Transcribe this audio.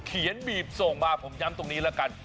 เขียนบีบส่งมาผมย้ำตรงนี้ละกัน